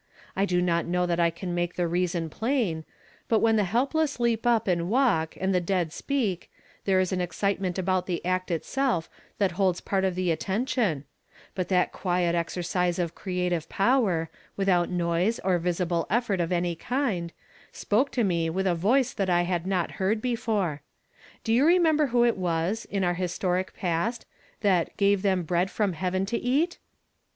I do not know that I can make the reason i)hiin ; bnt whcui the helphsss leap up and Avalk, and the dead speak, there is an excitement ahont tne act itself that holds part of the atten tion ; hut tliat quiet exercise of creative power, without noise or visible effort of any kind, spoke to nic with a voice that I had not heard before. Do you rcnienib(;r who it was, in our historic past, that 'Olive them bread from heaven to eat'?